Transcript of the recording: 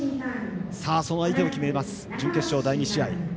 その相手を決めます準決勝、第２試合。